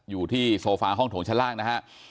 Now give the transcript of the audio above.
อยู่ที่โซฟาห้องโถงชั้นล่างนะฮะ